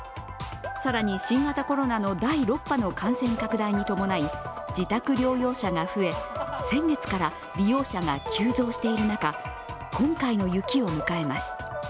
更に、新型コロナの第６波の感染拡大に伴い、自宅療養者が増え、先月から利用者が急増している中、今回の雪を迎えます。